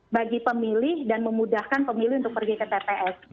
bagi pemilih dan memudahkan pemilih untuk pergi ke tps